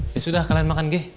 ya sudah kalian makan geh